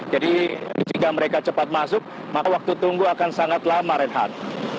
jadi jika mereka cepat masuk maka waktu tunggu akan sangat lama renhan